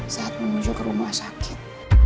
saat menuju ke rumah sakit